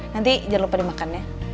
nanti jangan lupa dimakan ya